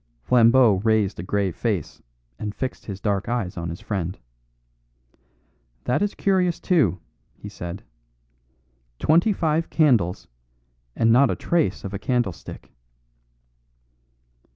Flambeau raised a grave face, and fixed his dark eyes on his friend. "That is curious, too," he said. "Twenty five candles, and not a trace of a candlestick."